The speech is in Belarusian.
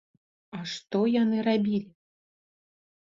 А што яны рабілі?